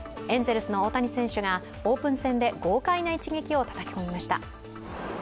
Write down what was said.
エンゼルスの大谷選手がオープン戦で豪快な一撃をたたき込みました。